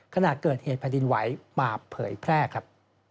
ขณะเกิดเหตุแผ่นดินไหวมาเผยแพร่ครับ